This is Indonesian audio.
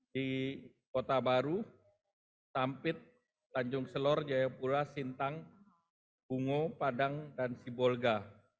di kota baru sampit tanjung selor jayapura sintang bungo padang dan sibolga